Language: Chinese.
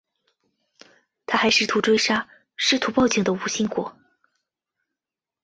他还试图追杀试图报警的吴新国。